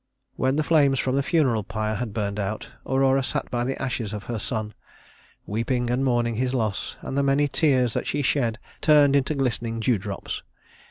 When the flames from the funeral pyre had burned out, Aurora sat by the ashes of her son, weeping and mourning his loss; and the many tears that she shed turned into glistening dewdrops.